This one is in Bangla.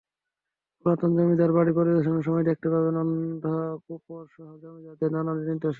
পুরাতন জমিদার বাড়ি পরিদর্শনের সময় দেখতে পাবেন অন্ধকূপসহ জমিদারদের নানা নিদর্শন।